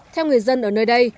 theo người dân ở nơi đây